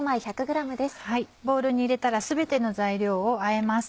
ボウルに入れたら全ての材料をあえます。